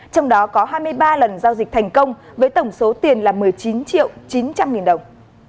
trong đó có hai mươi ba lần giao dịch thành công với tổng số tiền là một mươi chín triệu chín trăm linh nghìn đồng